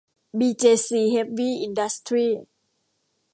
บีเจซี เฮฟวี่ อินดัสทรี